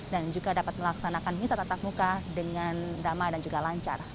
dan juga dapat melaksanakan misa tetap muka dengan damai dan juga lancar